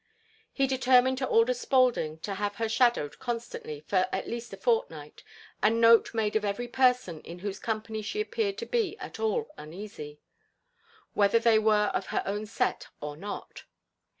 He determined to order Spaulding to have her shadowed constantly for at least a fortnight and note made of every person in whose company she appeared to be at all uneasy, whether they were of her own set or not.